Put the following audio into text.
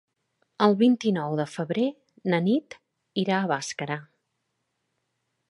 El vint-i-nou de febrer na Nit irà a Bàscara.